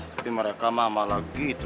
tapi mereka mah malah gitu